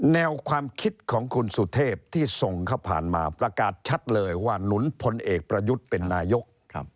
แนวความคิดของคุณสุเทพที่ส่งเขาผ่านมาประกาศชัดเลยว่าหนุนพลเอกประยุทธ์เป็นนายก